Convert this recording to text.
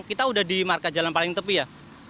ini markas jalan paling tepi ya